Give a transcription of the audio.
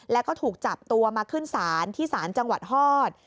แล้วก็ถูกจับตัวมาขึ้นศาลที่ศาลจังหวัดฮอต